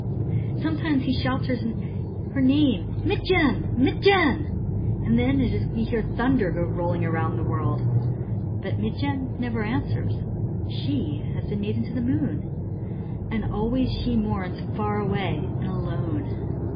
Some times he shouts her name —" Mitjen ! Mitjen !"— and it is then that we hear Thunder go rolling round the world. But Mitjen never answers. She has been made the Moon, and always she mourns far away and alone.